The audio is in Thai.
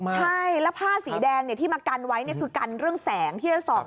ใช่แล้วผ้าสีแดงที่มากันไว้คือกันเรื่องแสงที่จะส่อง